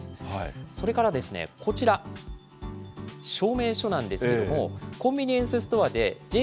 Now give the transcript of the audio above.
それからこちら、証明書なんですけれども、コンビニエンスストアでＪー